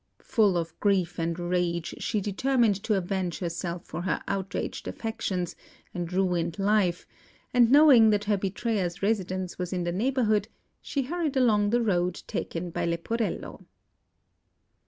Full of grief and rage, she determined to avenge herself for her outraged affections and ruined life; and knowing that her betrayer's residence was in the neighbourhood, she hurried along the road taken by Leporello.